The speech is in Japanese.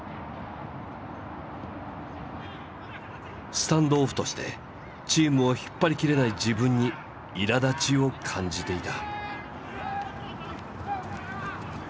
スタンドオフとしてチームを引っ張りきれない自分にいらだちを感じていた。